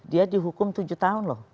dia dihukum tujuh tahun loh